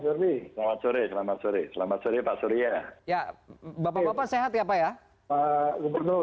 survi selamat sore selamat sore selamat sore pak surya ya bapak bapak sehat ya pak ya pak gubernur